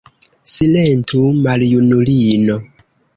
Silentu, maljunulino!